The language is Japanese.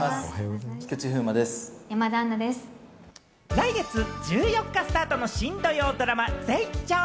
来月１４日スタートの新土曜ドラマ『ゼイチョー』。